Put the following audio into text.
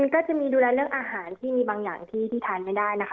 ก็จะมีดูแลเรื่องอาหารที่มีบางอย่างที่ทานไม่ได้นะคะ